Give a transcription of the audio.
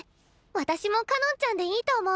私もかのんちゃんでいいと思う。